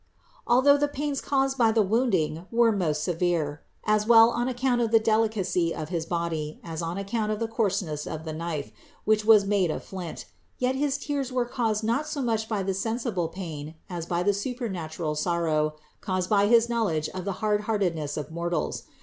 Although the pains caused by the wounding were most severe, as well on account of the delicacy of his body as on account of the coarseness of the knife, which was made of flint, yet his tears were caused not so much by the sensible pain as by the supernatural sorrow caused by his knowledge of the hard heartedness of mortals.